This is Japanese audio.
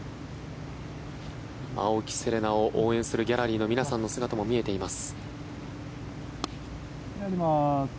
青木瀬令奈を応援するギャラリーの皆さんの姿も見えています。